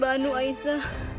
mas banu aisyah